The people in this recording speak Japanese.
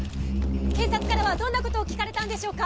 警察からはどんなことを聞かれたんでしょうか？